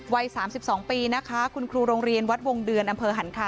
วัย๓๒ปีนะคะคุณครูโรงเรียนวัดวงเดือนอำเภอหันคา